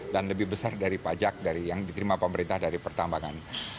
dan lebih besar dari pajak yang diterima pemerintah dari pertambangan